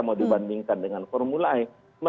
mau dibandingkan dengan formula e